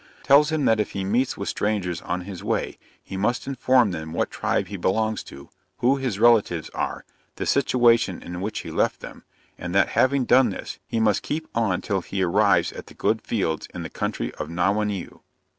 Tells him that if he meets with strangers on his way, he must inform them what tribe he belongs to, who his relatives are, the situation in which he left them, and that having done this, he must keep on till he arrives at the good fields in the country of Nauwaneu.